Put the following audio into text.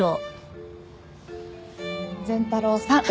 善太郎さん。